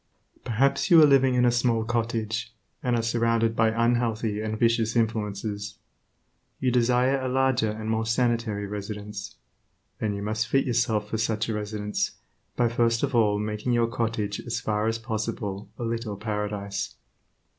Perhaps you are living in a small cottage, and are surrounded by unhealthy and vicious influences. You desire a larger and more sanitary residence. Then you must fit yourself for such a residence by first of all making your cottage as far as possible a little paradise.